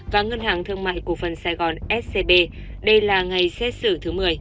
và ngân hàng thương mại cổ phần sài gòn scb đây là ngày xét xử thứ một mươi